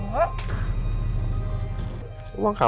aku gak pernah kekurangan makanan